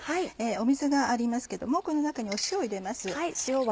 水がありますけどもこの中に塩を入れます。